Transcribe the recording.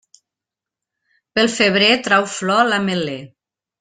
Pel febrer trau flor l'ametler.